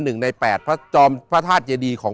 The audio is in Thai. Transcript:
หนึ่งในแปดพระจอมพระธาตุเจดีของ